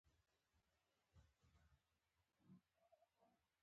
افغانستان په ټوله نړۍ کې د خپل کلتور له امله پوره شهرت لري.